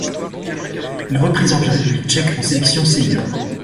Il représente la République tchèque en sélection senior.